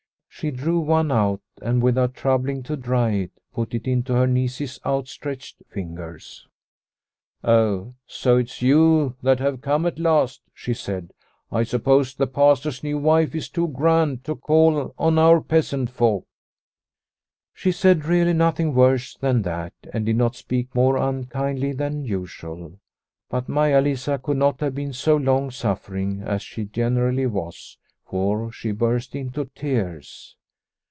She drew one out, and, without troubling to dry it, put it into her niece's outstretched ringers. " Oh, so it's you that have come at last," she said. " I suppose the Pastor's new wife is too grand to call on us peasant folk/' She said really nothing worse than that, and did not speak more unkindly than usual, but Maia Lisa could not have been so long suffering as she generally was, for she burst into tears.